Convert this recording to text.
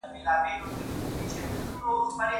د انټرنیټ کارول د پرمختګ لامل دی.